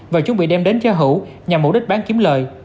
và chuẩn bị đem đến cho hữu nhằm mục đích bán kiếm lời